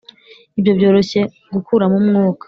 ibyo byoroshye gukuramo umwuka,